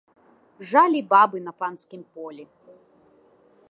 Жалі бабы на панскім полі.